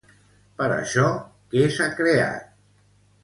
Per això, què s'ha creat?